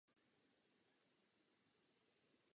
Ve vhodných případech možno uvést i příklady.